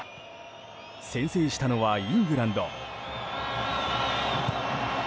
先制したのはイングランド。